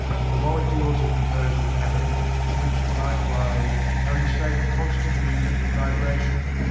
The molecules are composed of Atoms, which, likewise, are in a state of constant movement and vibration.